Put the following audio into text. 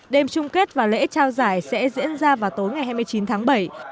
đêm chung kết và lễ trao giải sẽ diễn ra vào tối ngày hai mươi chín tháng bảy